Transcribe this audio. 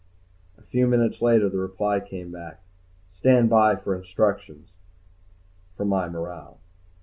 A few minutes later the reply came back, STAND BY FOR INSTRUCTIONS. For my morale.